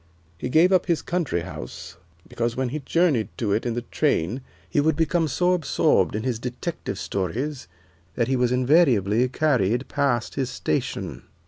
He gave up his country house because when he journeyed to it in the train he would become so absorbed in his detective stories that he was invariably carried past his station."